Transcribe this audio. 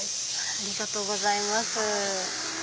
ありがとうございます。